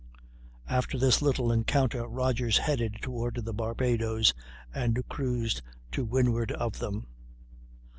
After this little encounter Rodgers headed toward the Barbadoes, and cruised to windward of them.